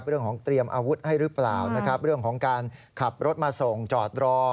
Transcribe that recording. เรื่องของเตรียมอาวุธให้หรือเปล่านะครับเรื่องของการขับรถมาส่งจอดรอ